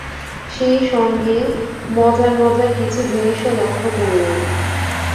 সেই সঙ্গে মজারমজার কিছু জিনিসও লক্ষ করলাম।